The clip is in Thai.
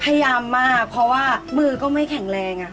พยายามมากเพราะว่ามือก็ไม่แข็งแรง